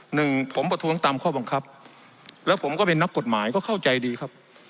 หนึ่งผมประท้วงตามข้อบังคับแล้วผมก็เป็นนักกฎหมายก็เข้าใจดีครับ